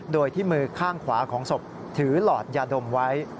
โดยที่มือข้างขวาของศพถือหลอดยาดมไว้